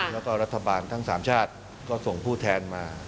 แล้วก็รัฐบาลทั้ง๓ชาติก็ส่งผู้แทนมา